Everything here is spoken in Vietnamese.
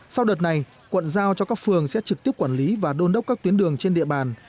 sau đợt này quận giao cho các phường sẽ trực tiếp quản lý và đôn đốc các tuyến đường trên địa bàn